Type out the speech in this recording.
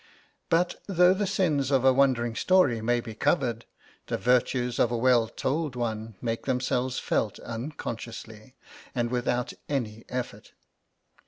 But, though the sins of a wandering story may be covered, the virtues of a well told one make themselves felt unconsciously, and without an effort.